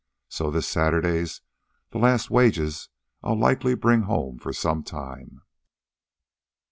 So this Saturday's the last wages I'll likely bring home for some time."